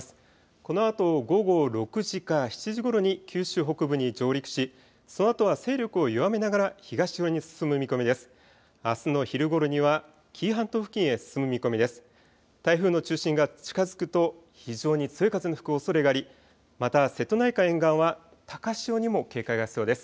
このあと午後６時から７時ごろに九州北部に上陸しそのあとは勢力を弱めながら東寄りに進む見込みです。